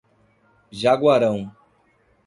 Jaguarão